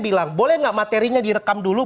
bilang boleh nggak materinya direkam dulu